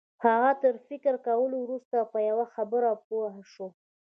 هغه تر فکر کولو وروسته په یوه خبره پوه شو